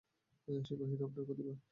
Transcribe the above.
সীমাহীন আপনার প্রতিভা।